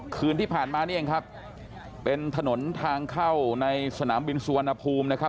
คืนที่ผ่านมานี่เองครับเป็นถนนทางเข้าในสนามบินสุวรรณภูมินะครับ